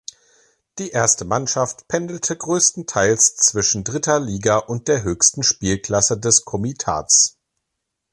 Die erste Mannschaft pendelte größtenteils zwischen dritter Liga und der höchsten Spielklasse des Komitats.